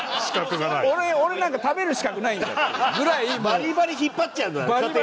バリバリ引っ張っちゃう。